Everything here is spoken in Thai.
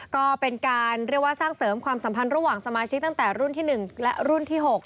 ก็เป็นการเรียกว่าสร้างเสริมความสัมพันธ์ระหว่างสมาชิกตั้งแต่รุ่นที่๑และรุ่นที่๖